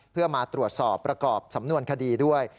เพื่อมาตรวจสอบประกอบสำนวนคดีด้วย